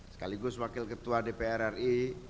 sekaligus wakil ketua dpr ri